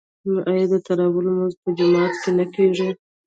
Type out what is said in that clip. آیا د تراويح لمونځ په جومات کې نه کیږي؟